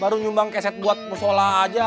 baru nyumbang keset buat musola aja